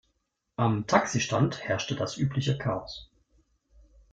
Am Taxistand herrschte das übliche Chaos.